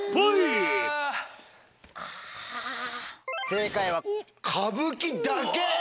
正解は歌舞伎だけ。